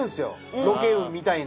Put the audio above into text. ロケ運みたいな。